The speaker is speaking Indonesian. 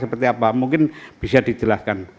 seperti apa mungkin bisa dijelaskan